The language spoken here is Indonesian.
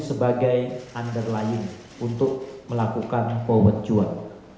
sebagai underlying untuk melakukan forward cuan